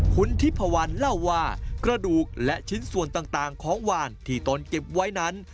คุณทิพวันเล่าว่ากระดูกและชิ้นส่วนต่างของวานที่ตนเก็บไว้นั้น